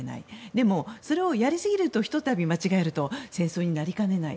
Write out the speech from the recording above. でも、それをやりすぎるとひとたび、間違えると戦争になりかねない。